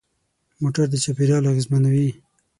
موټر د چاپېریال اغېزمنوي.